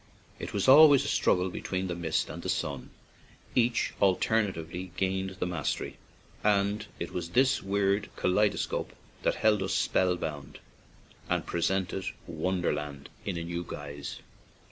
It was always a strug gle between the mist and the sun; each alternately gained the mastery, and it was this weird kaleidoscope that held us spellbound and presented wonderland in a new guise.